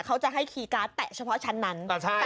เขาจะให้คีย์การ์ดแตะเฉพาะชั้นนั้น